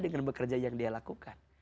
dengan bekerja yang dia lakukan